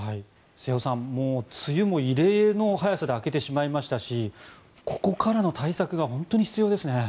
瀬尾さん、梅雨も異例の早さで明けてしまいましたしここからの対策が本当に必要ですね。